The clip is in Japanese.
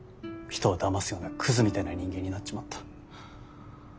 人をだますようなクズみたいな人間になっちまった。